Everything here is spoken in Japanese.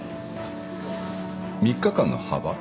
３日間の幅？